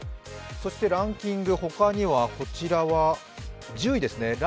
そしてランキング、他にはこちらは１０位ですね。